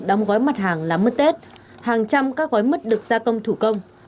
đóng gói mặt hàng làm mất tết hàng trăm các gói mất được gia công thủ công